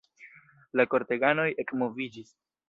La korteganoj ekmoviĝis.